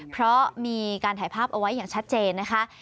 เพราะมีการถ่ายภาพเอาไว้อย่างชัดเจนนะคะ